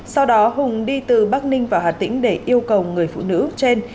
sau đó hùng đi từ bắc ninh vào hà tĩnh để yêu cầu người phụ nữ trên